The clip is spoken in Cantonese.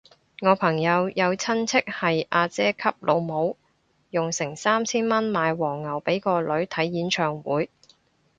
我朋友有親戚係阿姐級老母，用成三千蚊買黃牛俾個女睇演唱會